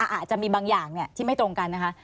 อาจจะมีบางอย่างที่ไม่ตรงกันนะคะ